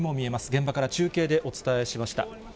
現場から中継でお伝えしました。